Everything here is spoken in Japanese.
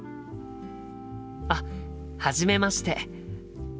あっはじめまして。